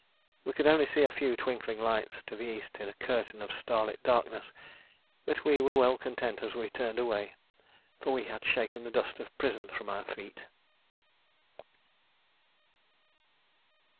We could only see a few twinkling lights to the east in a curtain of starlit darkness; but we were well content as we turned away, for we had shaken the dust of prison from our feet.